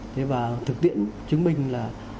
thực tiễn chứng minh là